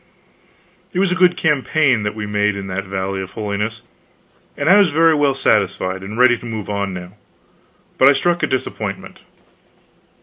It was a good campaign that we made in that Valley of Holiness, and I was very well satisfied, and ready to move on now, but I struck a disappointment.